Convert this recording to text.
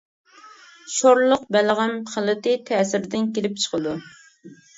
شورلۇق بەلغەم خىلىتى تەسىرىدىن كېلىپ چىقىدۇ.